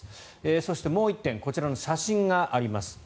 そして、もう１点こちらの写真があります。